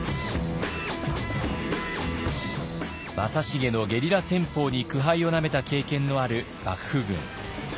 正成のゲリラ戦法に苦杯をなめた経験のある幕府軍。